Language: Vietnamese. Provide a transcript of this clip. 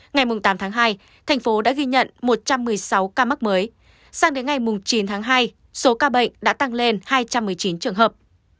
ngày tám tháng hai thành phố đã ghi nhận một trăm một mươi sáu ca mắc mới sang đến ngày chín tháng hai số ca bệnh đã tăng lên hai trăm một mươi chín trường hợp